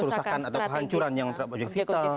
kerusakan atau kehancuran yang terjadi